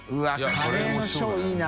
カレーの「小」いいな。